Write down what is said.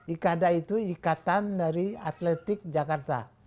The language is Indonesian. ikada itu ikatan dari atletik jakarta